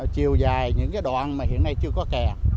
chiều dài những cái đoạn mà hiện nay chưa có kè